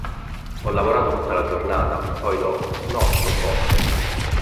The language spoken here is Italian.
Ho lavorato tutta la giornata", poi dopo "No, non posso!